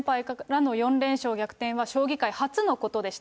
３連敗からの４連勝逆転は将棋界初のことでした。